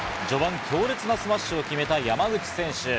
序盤、強烈なスマッシュを決めた山口選手。